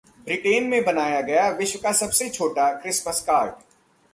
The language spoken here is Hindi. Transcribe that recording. ब्रिटेन में बनाया गया विश्व का सबसे छोटा क्रिसमस कार्ड